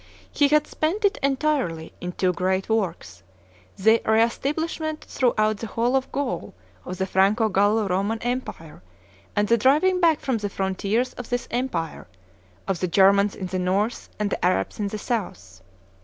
He had spent it entirely in two great works, the reestablishment throughout the whole of Gaul of the Franco Gallo Roman empire, and the driving back from the frontiers of this empire, of the Germans in the north and the Arabs in the south.